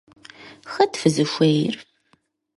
Хэт фызыхуейр?